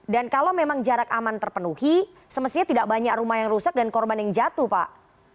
dan kalau memang jarak aman terpenuhi semestinya tidak banyak rumah yang rusak dan korban yang jatuh pak